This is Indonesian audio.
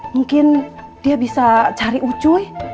mungkin dia bisa cari ucuy